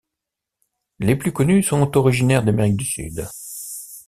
Les plus connues sont originaires d'Amérique du Sud.